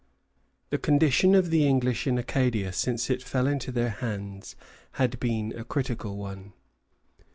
The condition of the English in Acadia since it fell into their hands had been a critical one.